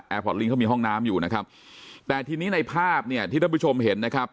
พอร์ตลิงเขามีห้องน้ำอยู่นะครับแต่ทีนี้ในภาพเนี่ยที่ท่านผู้ชมเห็นนะครับ